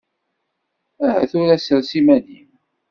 Aha tura sres iman-im!